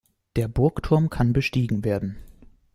Der Burgturm kann bestiegen werden.